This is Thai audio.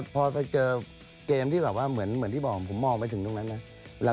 พอไปเจอเกมที่แบบว่าเหมือนที่บอกผมมองไปถึงตรงนั้นนะ